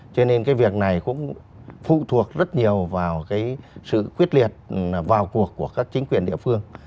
cho nên cái việc này cũng phụ thuộc rất nhiều vào cái sự quyết liệt vào cuộc của các chính quyền địa phương